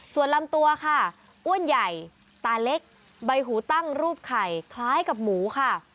ส่วนลำตัวค่ะอ้วนใหญ่ตาเล็กใบหูตั้งรูปไข่คล้ายกับหมูค่ะ